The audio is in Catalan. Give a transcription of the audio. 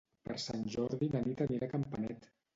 Per Sant Jordi na Nit anirà a Campanet.